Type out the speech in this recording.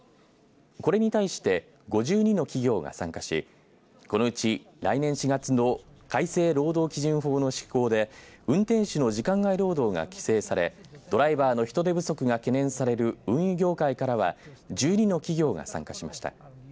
これに対して５２の企業が参加しこのうち、来年４月の改正労働基準法の施行で運転手の時間外労働が規制されドライバーの人手不足が懸念される運輸業界からは１２の企業が参加しました。